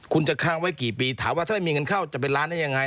คุณจะค้างไว้กี่ปีถามว่าถ้าไม่มีเงินเข้าจะเป็นล้านได้ยังไง